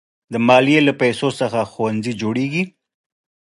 د مالیې له پیسو څخه ښوونځي جوړېږي.